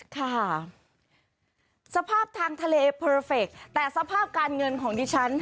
ค่ะสภาพทางทะเลเพอร์เฟคแต่สภาพการเงินของดิฉัน